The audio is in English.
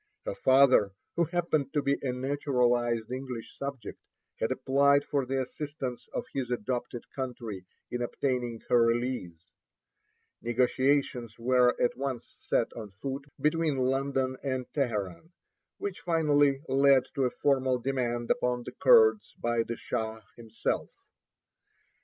Her father, who happened to be a naturalized English subject, had applied for the assistance of his adopted country in obtaining her release. Negotiations were at once set on foot between London and Teheran, which finally led to a formal demand upon the Kurds by the Shah himself.